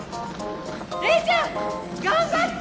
黎ちゃん頑張って！